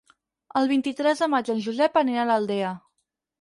El vint-i-tres de maig en Josep anirà a l'Aldea.